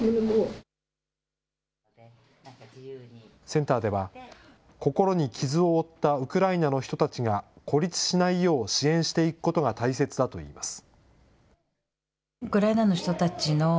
センターでは、心に傷を負ったウクライナの人たちが孤立しないよう支援していくことが大切だといいます。